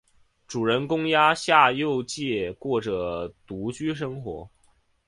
主人公鸭下佑介过着独居生活。